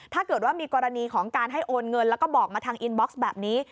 ถ้าเกิดว่ามีกรณีของการให้โอนเงินแล้วก็บอกมาทางอินบ็อกซ์แบบนี้